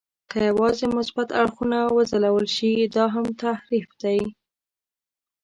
که یوازې مثبت اړخونه وځلول شي، دا هم تحریف دی.